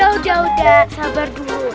udah udah sabar dulu